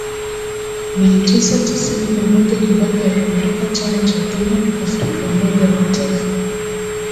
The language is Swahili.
mia tisa tisini na moja Kibaki aliondoka chama cha Kenya Afrika umoja wa kitaifa